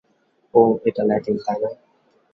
ওহ, এটা ল্যাটিন, তাই না?